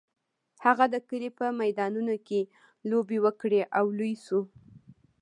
هغه د کلي په میدانونو کې لوبې وکړې او لوی شو.